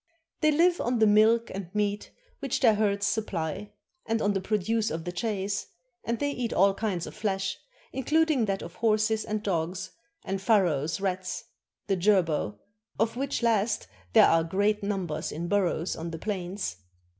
They live on the milk and meat which their herds supply, and on the produce of the chase; and they eat all kinds of flesh, including that of horses and dogs, and Pharaoh's rats [the jerboa], of which last there are great numbers in burrows on those plains.